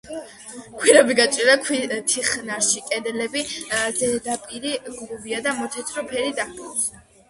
გვირაბი გაჭრილია ქვიან თიხნარში, კედლების ზედაპირი გლუვია და მოთეთრო ფერი დაჰკრავს.